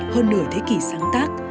hơn nửa thế kỷ sáng tác